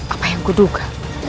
apa yang kuduga